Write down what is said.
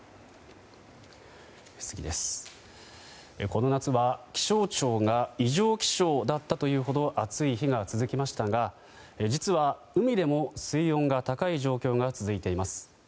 この夏は、気象庁が異常気象だったというほど暑い日が続きましたが実は海でも水温が高い状況が続いています。